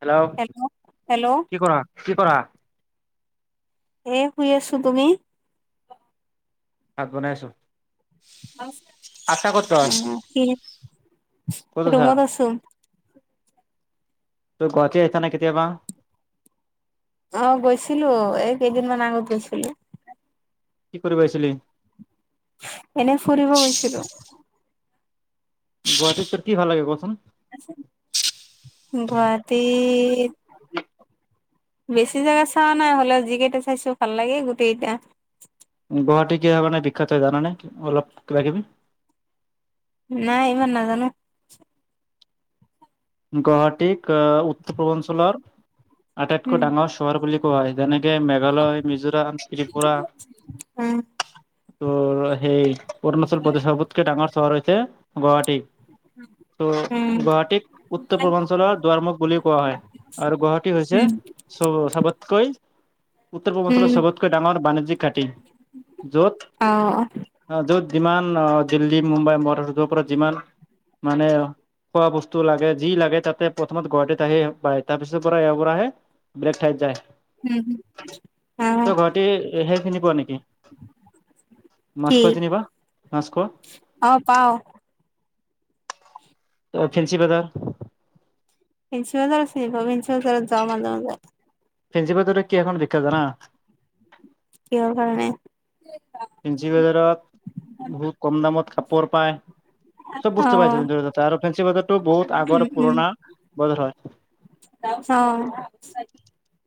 Hello কি কৰা কি কৰা এ শুই আছো তুমি ভাত বনাই আছো আছা ক'ত তই কি ক'ত আছা ৰুমত আছো তই গুৱাহাটী আহিছা নে কেতিয়াবা অহ গৈছিলো এই কেইদিনমান আগত গৈছিলো কি কৰিব আহিছিলি এনেই ফুৰিব গৈছিলোঁ গুৱাহাটীতোৰ কি ভাল লাগে কচোন গুৱাহাটীত বেছি জাগা চোৱা নাই হ'লে যিকেইটা চাইছো ভাল লাগে গোটেই কেইটা গুৱাহাটী কিহৰ কাৰনে বিখ্যাত হয় জাননে অলপ কিবা কিবি নাই ইমান নাজানো গুৱাহাটীক উত্তৰ পূৰ্বাঞ্চলৰ আটাইতকৈ উম ডাঙৰ চহৰ বুলি কোৱা হয় যেনেকে মেঘালয়, মিজোৰাম, ত্ৰিপুৰা উম তোৰ সেই অৰুণাচল প্ৰদেশ সবতকে ডাঙৰ চহৰ ৰ হৈছে গুৱাহাটী ত উম গুৱাহাটীত উত্তৰ পূৰ্বাঞ্চলৰ দুৱাৰমুখ বুলিও কোৱা হয় আৰু গুৱাহাটী হৈছে উম চব চবতকৈ [unintelligible] উত্তৰ পূৰ্বাঞ্চলৰ উম সবতকৈ ডাঙৰ বাণিজ্যিক ঘাঁটি জত অ অ জত যিমান অ দিল্লী মুম্বাই মহাৰাষ্ট্ৰৰ পৰা যিমান মানে খোৱা বস্তু স লাগে যি লাগে তাতে প্ৰথমত গুৱাহাটীত আহে পাই তাৰ পিছৰ পৰা ইয়াৰ পৰা আহে ব্লেগ ঠাইত যায় উম [unintelligible] অ তই ঘতি সেইখিনি পোৱা নেকি কি মাস্ক যেনিবা মাস্ক অ পাও অ ফেন্চি বজাৰ পেঞ্চি বজাৰত ন পেঞ্চি বজাৰত যোৱা মানা মাজায় [unintelligible] ফেঞ্চি পাদ কি এখন বিখ্যাত জানা কিহৰ কাৰণে ঞ্চি বজাৰত বহুত কম দামত খাপ [unintelligible] [unintelligible] পায় চব অ বুজি পাইছ আৰু ফেঞ্চি বজাৰটো বহুত উম আগৰ উম পুৰণা বজাৰ হয় [unintelligible] অ [unintelligible]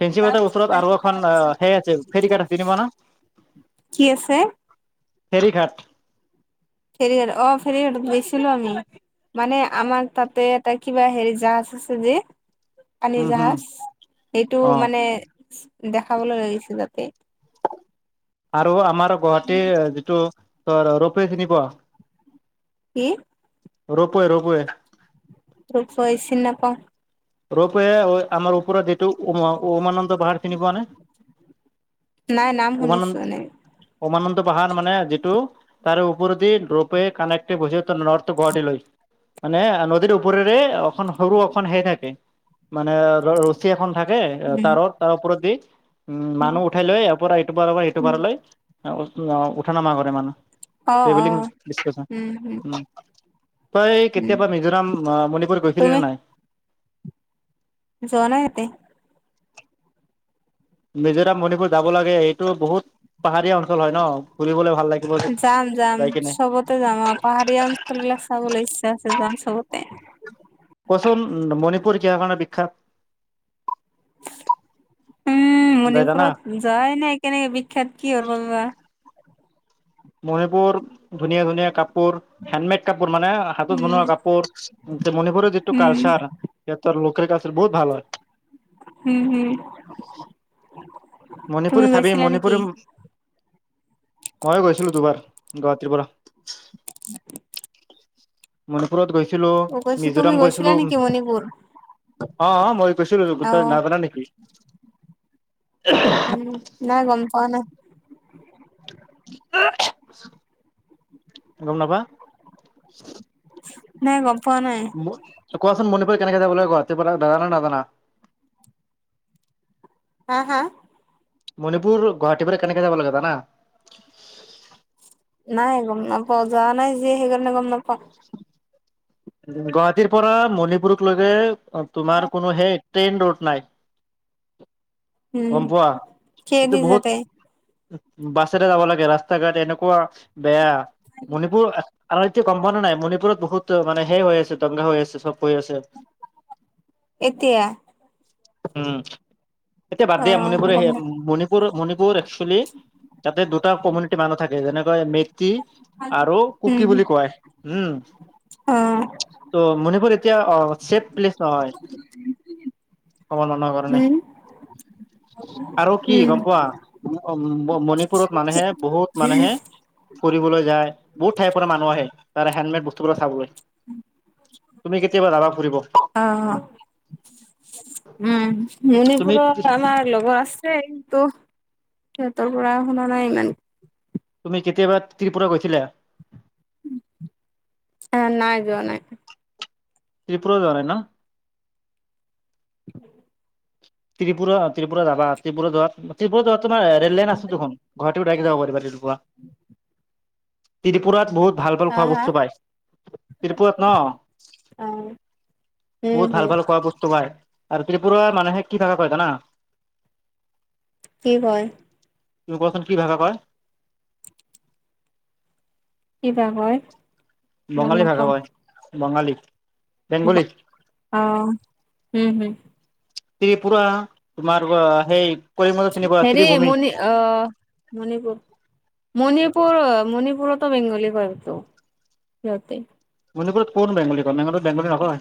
ফেঞ্চি বাটাৰ ওচৰত আৰু এখন সেই আছে ফেৰ কাৰ্ড চনিব ন [unintelligible] কি আছে হেৰিঘাট ফেৰিঘাট অ ফেৰিঘাটত গৈছিলো আমি মানে আমাৰ তাতে এটা কিবা হেৰি জাহাজ আছে যে আানী উম হম জাহাজ এইটো অ মানে [unintelligible] দেখাবলৈ লাগিছে যাতে আৰু আমাৰ গুৱাহাটীৰ যিটো ত ৰোপে চিনিব [unintelligible] কি ৰোপে ৰোপে [unintelligible] ৰপই চি নাপাওঁ ৰূপে আমাৰ ওপৰত যিটো উমান [unintelligible] পাহাৰ কিনি পোৱা নাই নাই নাম উমানমান শুনিছো এনে [unintelligible] উমানন্দ বাহান মানে যিটো তাৰে ওপৰেদি ৰপ কানেকটে হৈছে নৰ্থ গুৱাহাটী লৈ [unintelligible] মানে নদীৰ ওপৰেৰে অখন সৰু অখন হে থাকে মানে ৰছী এখন থাকে তাৰৰ তাৰ ওপৰত দি উম মানুহ উঠাই লৈ ইয়াৰ পৰা ইটো পাৰৰ পৰা ইটোপাৰলৈ উঠা নমা কৰে মানুহ অ [unintelligible] অ টেবেলিং ডকাচ উম উম [unintelligible] এই উম কেতিয়াবা মিজোৰাম মণিপুৰত গৈছিলি তুমি নে নাই যোৱা নাই এতে মিজোৰাম মণিপুৰ যাব লাগে এইটো বহুত পাহাৰীয়া অঞ্চল হয় ন ফুৰিবলে যাম যাম চবতে যাম আৰু পাহাৰীয়া অঞ্চল বিলাক চাবলৈ ইচ্ছা আছে যাম। সবতে কচোন মণিপুৰ কিহৰ কাৰণে বিখ্যাত উম যাই জানা মণিপুৰত যাই নে কেনেকে বিখ্যাত কি হৰ পাবা মণিপুৰ ধুনীয়া ধুনীয়া কাপোৰ হেণ্ডমেড কাপোৰ মণিপুৰ মানে হাতত উম বনোৱা কাপোৰ মণিপুৰৰ যিটো উম কালচাৰ সিহঁতৰ লোকেল কালচাৰ বহুত ভাল হয়। [inaudible] উম হম মণিপুৰ চাবি মণিপুৰী মইয়ো গৈছিলো দুবাৰ গুৱাহাটীৰ পৰা [inaudible] মণিপুৰত গৈছিলো অ', কৈছো তুমি মিজোৰাম গৈছিলা গৈছিলো নেকি মণিপুৰ? অ মই কৈছিলো দেখোন তই অ', নাজানা নেকি উম নাই গম পোৱা নাই। গম নাপা। নাই গম। পোৱা নাই। কোৱাচোন মনি কেনেকৈ যাবলে কোৱা [unintelligible] জানা নে নাজানা হা হা। মণিপুৰ গুৱাহাটী পাৰে কেনেকে যাব লাগে জানা। নাই গম নাপাওঁ যোৱা নাই যে সেইকাৰ নে গম নাপা। গুৱাহাটীৰ পৰা মণিপুৰক লৈকে তোমাৰ কোনো সেই ট্ৰেইন ৰোড নাই। উম গম পোৱা? কেই দি যাতে বাছে এটা যাব লাগে ৰাস্তা ঘাট এনেকুৱা বেয়া মণিপুৰ। আমাৰ এতিয়া গম পোৱা নাই মণিপুৰত বহুত মানে হৈই হৈ আছে দংগা হৈ আছে চব। হৈ আছে এতিয়া উম। এতিয়া বাদ দিয়া অ', মণিপুৰৰে গম না মণিপুৰ মণি পুৰ একচ্যলি তাতে দুটা কমিউনিটি মানুহ থাকে যেনেকৈ মে কি আৰু উম, কুকি হম, বুলি কয় উম অ', ত মনিপুৰী এতিয়া অ ছেফ প্লেচ হয় অবনৰ কাৰণে। হম, আৰু কি উম। গম পোৱা মণিপুৰত মানুহে বহুত মানুহে ফুৰিবলৈ যায় বহুত ঠাই পৰা মানুহ আহে তাৰ হেণ্ডমেড বস্তুবিলাক চাবলৈ। তুমি কেতিয়াবা যাবা ফুৰিব। অ', উম তুমি মণিপুৰৰ আমাৰ লগৰ আছে কিন্তু। সিহঁতৰ পৰা শুনা নাই ইমান। তুমি কেতিয়াবা ত্ৰিপুৰা গৈছিলা। নাই যোৱা নাই। ত্ৰিপুৰা যোৱা নাই ন। উম ত্ৰিপুৰা ত্ৰিপুৰা যাবা ত্ৰিপুৰা যোৱাত ত্ৰিপুৰা যোৱাত তোমাৰ ৰেল লাইন আছে দুখন। দাৰেইক যাব পাৰিবা ত্ৰিপুৰা ত্ৰিপুৰাত বহুত ভাল ভাল হা, খোৱা হা? বস্তু পায় ত্ৰিপুৰাত ন অ', উম, বহুত হম, ভাল ভাল খোৱা বস্তু পাই। আৰু ত্ৰিপুুৰাৰ মানুহে কি থাকা পায় জানা। কি কয়। তুমি কোৱাচোন কি ভষা কয়। কিবা কয়। গম বঙালী ভাষা হয় বঙালী। বেংগলী অহ উম হোম ত্ৰিপুৰা তোমাৰ সেই কৰিমগঞ্জত চিনি পোৱা হেৰি ত্ৰিভূমি মণ অ মণিপুৰ মণিপুৰ। মণিপুৰতো বেংগলী হয়টো সিহঁতে মণিপুৰত কোন বেংগলী কয় মণিপুৰত বেংগলী নকয়।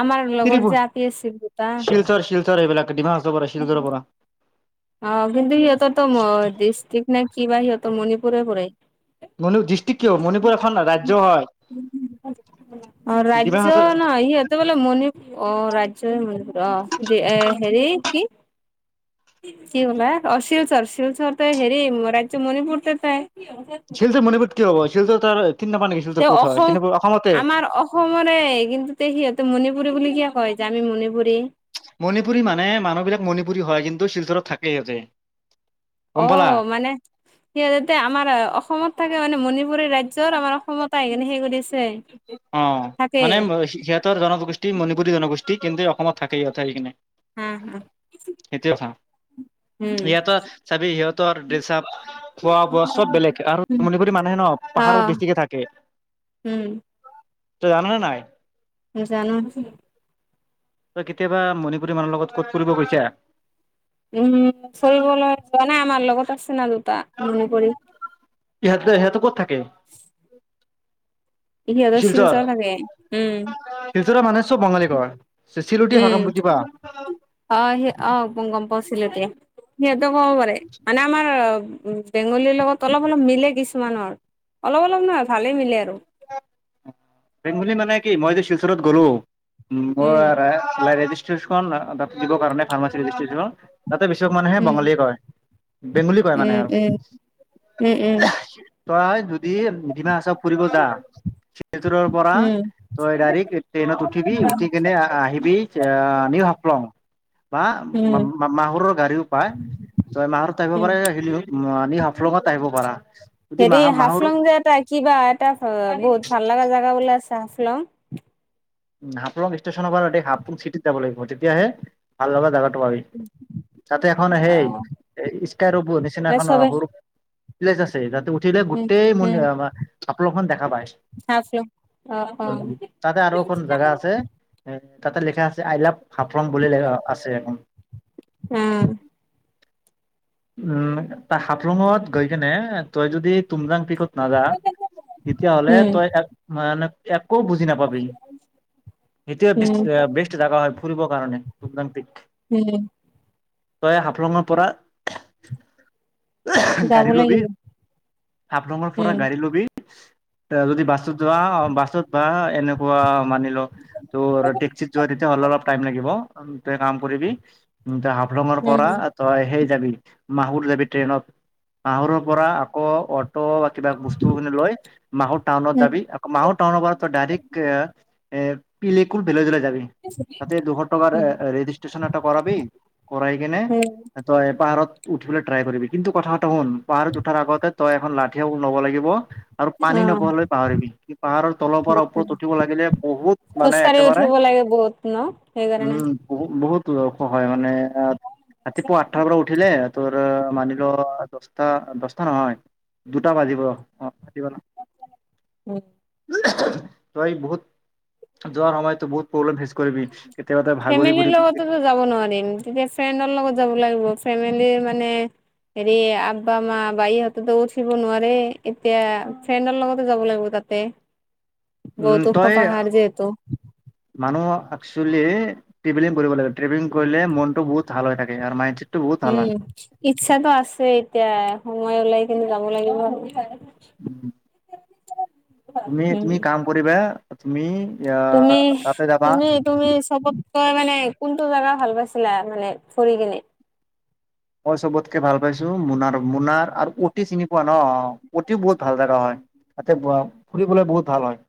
আমাৰ লগৰ যে আপি আছিল দুটা শিলচৰ শিলচৰ এইবিলাক। ডিমা হাছাও পৰা শিলচৰ পৰা। অ কিন্তু সিহঁতৰ তো ডিষ্ট্ৰিক নে কি বা সিহঁতৰ মণিপুৰে পৰে। ডিষ্ট্ৰিক কিয় মণিপুৰ এখন ৰাজ্য। হয় উম। অ ডিমা ৰাজ্য হাছাও নহ ইহঁত এতে বোলে মণিপুৰ অ ৰাজ্য মণিপুৰ অ এ হেৰি কি। কি বোলে অ শিলচৰ শিলচৰ ত হেৰি ৰাজ্য মণিপুৰ তেতাই নাই শিলচৰ মণিপুৰৰ ত কি হব শিলচৰ তাৰ চিনি নাপা নেকি শিলচৰ তেওঁ ক'ত হয় অসম চিনি অসমতে আমাৰ অসমৰে কিন্তু তেও সিহঁতে মণিপুৰী বুলি কিয় কয় আমি মণিপুৰী মণিপুৰী মানে মানুহবিলাক মণিপুৰী হয় কিন্তু শিলচৰত থাকে সিহঁতে গম অ পালা মানে সিহতে আমাৰ অসমত থাকে মানে মণিপুৰী ৰাজ্য ৰ আমাৰ অসমত আহি সেইকৰি আছে অ মানে সিহঁতৰ জনগোষ্ঠী মণিপুৰী জনগোষ্ঠী কিন্তু অসমত থাকে ইহঁতে আহিকিনে হম হম উ সিহঁতৰ চাবি সিহঁতৰ দেচাপ খোৱা- বোৱা চব বেলেগ আৰু মনিপুৰী মানুহে ন পা অ পাহাৰত বেছিকে থাকে উম তই জাননে নাই জানো তই কেতিয়াবা মণিপুৰী মানুহৰ লগত কতো ফুৰিব গৈছা উম ফৰিবলৈ যোৱা নাই আমাৰ লগৰ আছে না দু টা মনিপুৰী ইহঁতে সিহঁতে ক'ত থাকে সিহঁতে শিলচৰত থাকে উম শিলচৰ মানুহে চব বঙালীকৰ চিলোটীয়া উম ভাষা বুজি পোৱা অ স অ প গম পাওঁ চিলটীয়া সিহঁতো ক'ব পাৰে মানে আমাৰ উ বেংগলীৰ লগত অলপ অলপ মিলে কিছুমানৰ অলপ অলপ নহয় ভালে মিলে আৰু বেংগলী মানে কি মই যে শিলচৰত গলো উম মই ৰেজিষ্ট্ৰেচনচন খন দিব কাৰনে ফাৰমেচিৰ ৰেজিষ্ট্ৰেচনৰ তাতে বেছিভাগ মানুহে উম বঙালীয়ে কয় বেংগলী কয় মানে উম আৰু উম উম উম তই যদি ডিমা হাচাও ফুৰিব যা ৰ পৰা উম তই ডাইৰেক্ট ট্ৰেইনত উঠিবি উঠি কেনে আহিবি এ নিউ হাফলং বা উম উম মাহুৰৰ গাড়ীও পায় তই মাহৰত থাকিব উম পাৰ যে আহি মানি হাফলংত আহিব পাৰা যদি হেৰি মাহ মাহৰ হাফলং যে এটা কিবা এটা বহুত ভাল লগা জেগা বোলে আছে হাফলং উ হাফলং ষ্টেচনৰ পৰা হাবুং চিটিত যাব লাগিব তেতিয়াহে ভাল লগা জেগাত যাব পাৰি তাতে এখন সেই স্কাই ৰব এ নিচিনাখন চবে সৰু প্লেছ আছে তাতে উঠিলে উম গোটেই মন উম হাফলং খন দেখা পাই হাফলং অ অ উম তাতে আৰু এখন জেগা আছে এ তাতে লিখা আছে আই লাভ হাফলং বুলি আছে এখন উম উম হাফলংঙত গৈ কিনে তই যদি তুমজাং টিকত নাযায় তেতিয়াহলে উম তই মানে একো বুজি নাপাবি এইটোৱে বেষ্ট উম বেষ্ট জাগা হয় ফুৰিব কাৰণে, পদাম্পিক। উম তই হাফলঙৰ পৰা যাব গাড়ী লবি লাগিব হাফলঙৰ পৰা উম গাড়ী লবি যদি বাছত যোৱা অ বাছত বা এনেকুৱা মানি ল তু টেক্সিত যোৱা তেতিয়া অলপ তাইম লাগিব। তই কাম কৰিবি তই হাফলঙৰ উম পৰা তই সেই যাবি মাহুৰ যাবি ট্ৰেইনত মাহুৰৰ পৰা আকৌ অ টৰ কিবা বস্তু লৈ মাহ টাউনত উম যাবি আকৌ মাহ টাউনৰ পৰা ডাইৰেক্ট এ এ পিলেকুল ভিলেজলে যাবি, তাতে দুশ টকাৰ উম ৰেজিষ্ট্ৰেছন এটা কৰাবি, কৰাই কেনে উম ত এ পাহাৰত উঠিবলৈ ট্ৰাই কৰিবি, কিন্তু কথা এটা শুন পাহাৰত উঠাৰ আগতে তই এখন লাঠিয়া লব লাগিব। আৰু অ পানী নোপোৱালৈ পাহৰিবি কি পাহাৰৰ তলৰ পৰা ওপৰত উঠিব লাগিলে বহুত মানে খোজকাঢ়ি একেবাৰে উঠিব বহুত ন উম সেইকাৰণে বহু বহুত হয় মানে ৰাতিপুৱা আঠটাৰ পৰা উঠিলে তোৰ মানি ল দছটা দছটা নহয় দুটা বাজিব অঁ। িব না [unintelligible] ত এই বহুত যোৱাৰ সময়তো বহুত প্ৰব্লেম হৈছে। ফেমিলিৰ লগতোতো যাব নোৱাৰিম তেতিয়া ফ্ৰেণ্ডৰ লগত যাব লাগিব, ফেমিলি মানে হেৰি মা বাই হঁতেতো উঠিব নোৱাৰে, এতিয়া ফ্ৰেণ্ডৰ লগতে যাব লাগিব ত। তাতে উম বহুত ওখ তই পাহাৰ যে এইটো। এক্সৱেলি ট্ৰেভেলিং কৰিব লাগিব ট্ৰেভেলিং কৰিলে মনতটো বহুত ভাল হৈ থাকে, আৰু মাই উম ইচ্ছাটো আছে এতিয়া, সময় ওলাই কিনি যাব লাগিব। উম। তুমি উম তুমি কাম কৰিবা তুমি,, তুমি, আহ তাতে যাবা তুমি তুমি চবতকৈ মানে কোন তু জেগা ভাল পাইছিলা? মানে ফৰি কিনে, মই চবতকে ভাল পাইছো মোনাৰ মোনাৰ আৰু উতি চিনি পোৱা ন? ওতি বহুত ভাল জেগা হয়। তাতে ফুৰিবলৈ বহুত ভাল হয়।